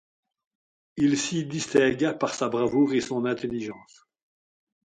Il s'y distingua par sa bravoure et son intelligence.